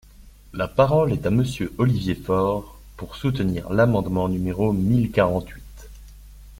La parole est à Monsieur Olivier Faure, pour soutenir l’amendement numéro mille quarante-huit.